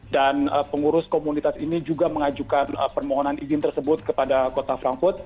dan pengurus komunitas ini juga mengajukan permohonan izin tersebut kepada kota frankfurt